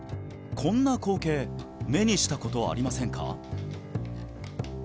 こんな光景目にしたことありませんか？